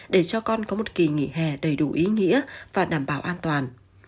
để cho con có một kỳ nghỉ hè đầy đủ ý nghĩa và đảm bảo an toàn